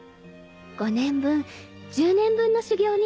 ５年分１０年分の修行に匹敵する。